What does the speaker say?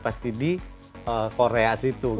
pasti di korea situ